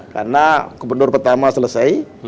karena komendor pertama selesai